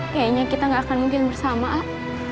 kayaknya kita gak akan mungkin bersama lah